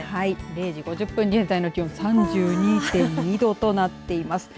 ０時５０分現在の気温３２．２度となっています。